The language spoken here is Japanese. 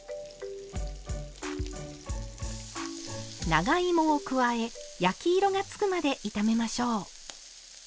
長芋を加え焼き色が付くまで炒めましょう。